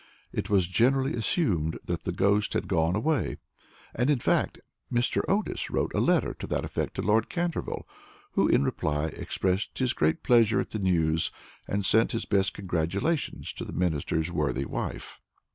It was generally assumed that the ghost had gone away, and, in fact, Mr. Otis wrote a letter to that effect to Lord Canterville, who, in reply, expressed his great pleasure at the news, and sent his best congratulations to the Minister's worthy wife.